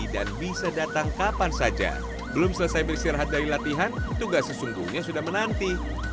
dan bisa datang kapan saja belum selesai berserah dari latihan tugas sesungguhnya sudah menanti